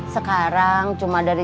sekarang cuma dari